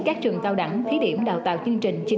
các trường cao đẳng thí điểm đào tạo chương trình